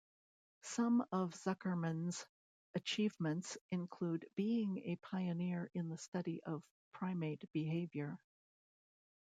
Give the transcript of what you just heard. Some of Zuckerman's achievements include being a pioneer in the study of primate behaviour.